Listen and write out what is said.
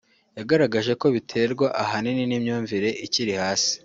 yagaragaje ko biterwa ahanini n’imyumvire ikiri ihasi